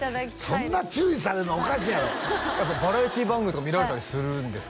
そんな注意されるのおかしいやろバラエティー番組とか見られたりするんですか？